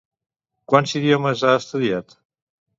Quants idiomes ha estudiat?